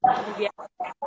atau di jantung